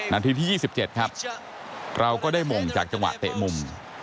นาทีที่ยี่สิบเจ็ดครับเราก็ได้มงจากจังหวะเตะมุม